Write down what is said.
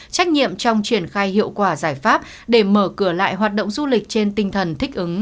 trách nhiệm trong triển khai hiệu quả giải pháp để mở cửa lại hoạt động du lịch trên tinh thần thích ứng